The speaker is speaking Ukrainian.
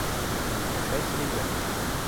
Грушецький Б.